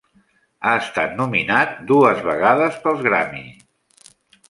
Ha estat nominat dues vegades pels Grammy.